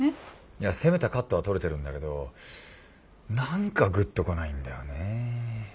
いや攻めたカットは撮れてるんだけど何かグッとこないんだよね。